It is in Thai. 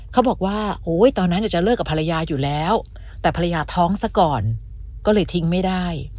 เขาบอกว่าโอ๊ยตอนนั้นจะเลิกกับภรรยาอยู่แล้วแต่ภรรยาท้องซะก่อนก็เลยทิ้งไม่ได้